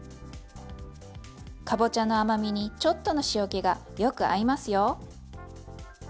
かぼちゃの甘みにちょっとの塩気がよく合いますよ。